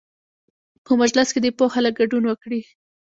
په مجلس کې دې پوه خلک ګډون وکړي.